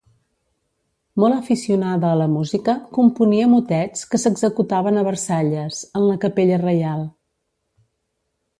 Molt aficionada a la música, componia motets, que s'executaven a Versalles, en la Capella Reial.